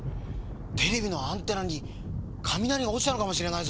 テレビのアンテナにかみなりがおちたのかもしれないぞ。